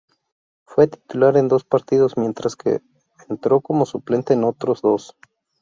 Fue titular en dos partidos, mientras que entró como suplente en otros dos.